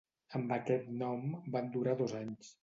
Amb aquest nom van durar dos anys.